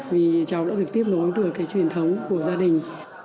vì cháu đã được tiếp nối từ cái truyền thống của gia đình